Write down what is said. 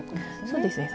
そうですね